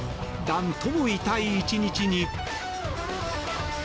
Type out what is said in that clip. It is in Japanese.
何とも痛い１日に。